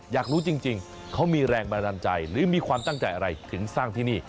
อยากรู้จริงเขามีแรงบันดาลใจหรือมีความตั้งใจอะไรถึงสร้างที่นี่